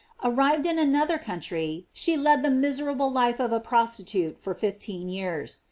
Arrived in another coun try, she led the miserable life of a prostitute for fifteen years.